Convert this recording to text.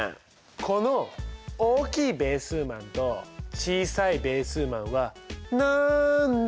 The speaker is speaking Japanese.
この大きいベー数マンと小さいベー数マンはなんだ？